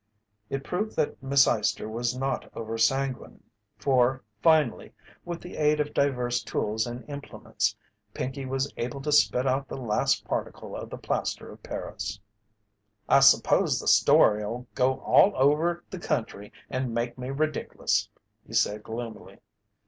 It proved that Miss Eyester was not over sanguine for, finally, with the aid of divers tools and implements, Pinkey was able to spit out the last particle of the plaster of Paris. "I s'pose the story'll go all over the country and make me ridic'lous," he said, gloomily.